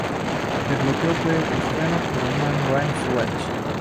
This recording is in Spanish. El bloqueo fue criticado por Human Rights Watch.